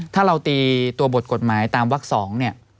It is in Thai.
ถ้าเราตีตัวบทกฎหมายตามวักสอง